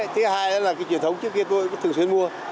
thứ hai là cái truyền thống trước kia tôi thường xuyên mua